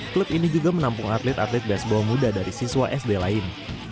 klub ini juga menampung atlet atlet baseball muda dari siswa sd lain